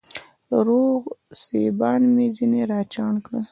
روغ سېبان مې ځيني راچڼ کړه